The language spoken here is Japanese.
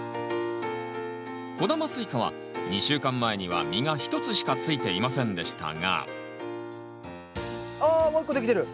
小玉スイカは２週間前には実が１つしかついていませんでしたがあっもう一個できてる！